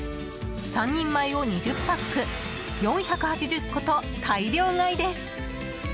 ３人前を２０パック４８０個と大量買いです。